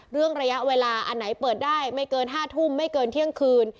ระยะเวลาอันไหนเปิดได้ไม่เกิน๕ทุ่มไม่เกินเที่ยงคืน